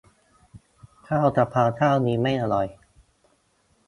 ข้าวกะเพราเจ้านี้ไม่อร่อย